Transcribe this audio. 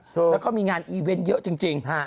แล้วก็มีงานบริเวณเยอะจริง